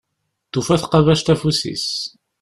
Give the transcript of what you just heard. Tufa tqabact afus-is.